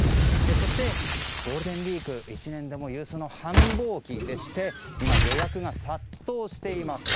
そして、ゴールデンウィーク１年でも有数の繁忙期でして今、予約が殺到しています。